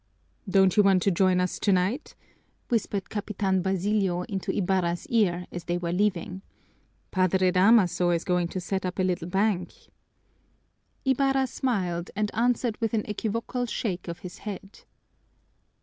"Don't you want to join us tonight?" whispered Capitan Basilio into Ibarra's ear as they were leaving. "Padre Damaso is going to set up a little bank." Ibarra smiled and answered with an equivocal shake of his head.